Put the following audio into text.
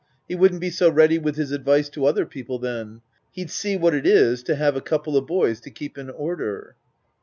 He wouldn't be so ready with his ad vice to other people then ;— he'd see what it is to have a couple of boys to keep in order.'